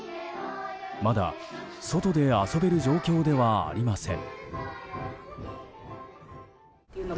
まだ外で遊べる状況ではありません。